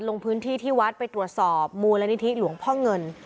ลงพื้นที่ที่วัดไปตรวจสอบมูลนิธิหลวงพ่อเงิน